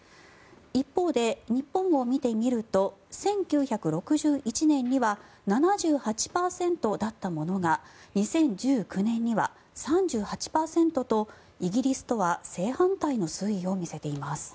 一方で、日本を見てみると１９６１年には７８％だったものが２０１９年には３８％とイギリスとは正反対の推移を見せています。